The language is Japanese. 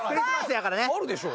あるでしょ。